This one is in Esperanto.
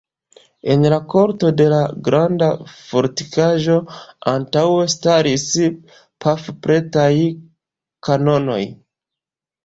En la korto de la granda fortikaĵo antaŭe staris pafpretaj kanonoj.